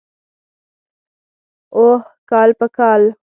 اوح کال په کال.